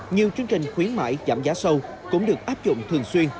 nhiều chương trình khuyến mại giảm giá sâu cũng được áp dụng thường xuyên